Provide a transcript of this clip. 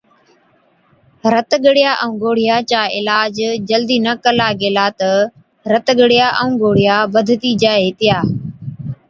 رت ڳڙِيا ائُون گوڙهِيان چا عِلاج جلدِي نہ ڪلا گيلا تہ رت ڳڙِيا ائُون گوڙهِيا بڌتِي جائي هِتِيا۔